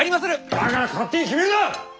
だから勝手に決めるな！